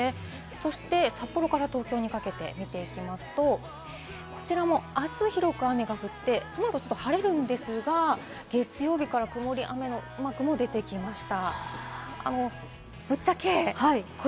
そして札幌から東京にかけて見ていきますと、こちらもあす広く雨が降って、そのあと晴れるんですが、月曜日から曇りや雨マークも出てきました。